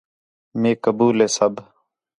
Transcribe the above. میک قبول ہے سب